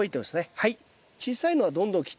はい。